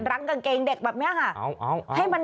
รังกางเกงเด็กแบบนี้ค่ะ